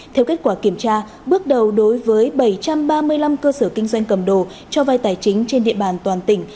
theo kết quả kiểm tra bước đầu đối với bảy trăm ba mươi năm cơ sở kinh doanh cầm đồ cho vai tài chính trên địa bàn toàn tỉnh